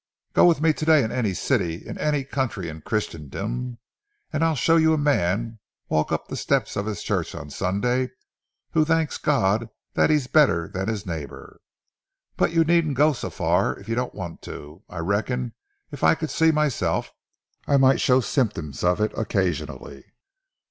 Go with me to day to any city in any country in Christendom, and I'll show you a man walk up the steps of his church on Sunday who thanks God that he's better than his neighbor. But you needn't go so far if you don't want to. I reckon if I could see myself, I might show symptoms of it occasionally.